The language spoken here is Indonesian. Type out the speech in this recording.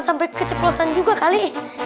sampai keceplosan juga kali